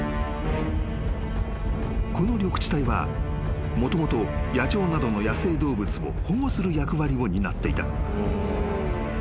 ［この緑地帯はもともと野鳥などの野生動物を保護する役割を担っていた］